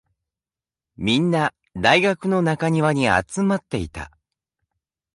みんな、大学の中庭に集まっていた。